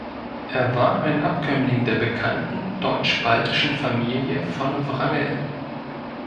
Er war ein Abkömmling der bekannten deutsch-baltischen Familie von Wrangel.